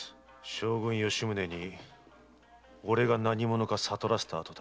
将軍・吉宗に俺が何者か悟らせた後だ。